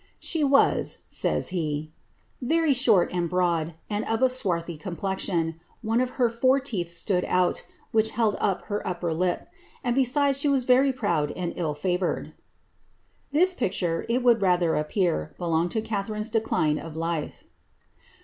^ She was,^' says he ^ very short and biosd| and of a swarthy complexion ; one of her fore teeth stood out, which held up her upper lip ; and, besides, she was very proud and ill favoured." This picture, it would rather appear, belonged to Catharine's decline of life.